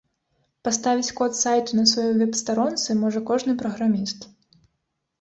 Паставіць код з сайту на сваёй вэб-старонцы можа кожны праграміст.